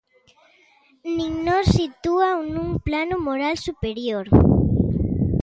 Nin nos sitúa nun plano moral superior.